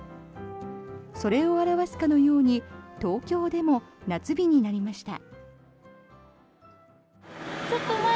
それを表すかのように東京でも夏日になりました。